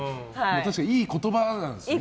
確かに、いい言葉なんですね。